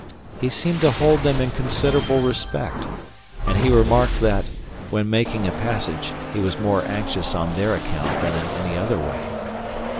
He seemed to hold them in considerable respect, and he remarked that, when making a passage, he was more anxious on their account than in any other way.